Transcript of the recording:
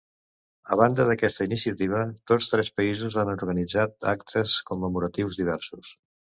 A banda aquesta iniciativa, tots tres països han organitzat actes commemoratius diversos.